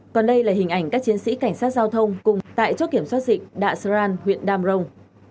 còn đây là hình ảnh các chiến sĩ cảnh sát giao thông cùng tại chốt kiểm soát dịch đạ san huyện đam rồng